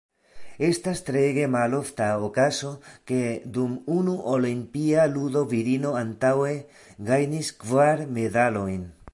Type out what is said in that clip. Estas treege malofta okazo, ke dum unu olimpia ludo virino antaŭe gajnis kvar medalojn.